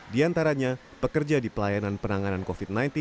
di antaranya pekerja di pelayanan penanganan covid sembilan belas